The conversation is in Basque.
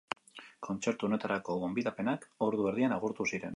Kontzertu honetarako gonbidapenak ordu erdian agortu ziren.